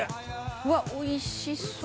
「うわっおいしそう」